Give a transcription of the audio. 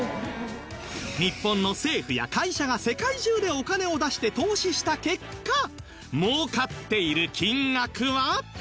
日本の政府や会社が世界中でお金を出して投資した結果儲かっている金額は